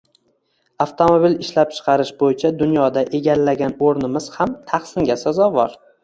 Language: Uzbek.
Avtomobil ishlab chiqarish boʻyicha dunyoda egallagan oʻrnimiz ham tahsinga sazovor.